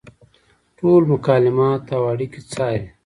ټول مکالمات او اړیکې څاري.